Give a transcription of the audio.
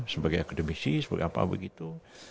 sebagai akademisi seperti apa begitu